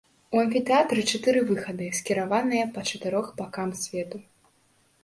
У амфітэатры чатыры выхады скіраваныя па чатырох бакам свету.